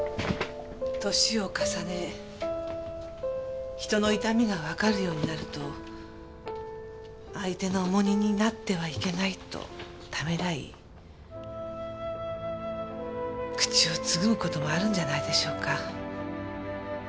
歳を重ね人の痛みがわかるようになると相手の重荷になってはいけないとためらい口をつぐむ事もあるんじゃないでしょうか。